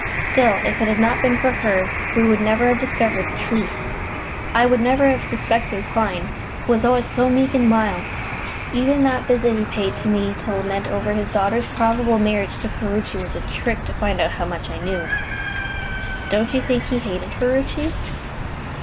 Still, if it had not been for her, we should never have discovered the truth. I would never have suspected Clyne, who was always so meek and mild. Even that visit he paid to me to lament over his daughter's probable marriage to Ferruci was a trick to find out how much I knew." "Don't you think he hated Ferruci?"